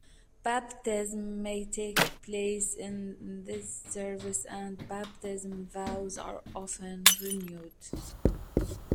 Baptisms may take place in this service and Baptism vows are often renewed.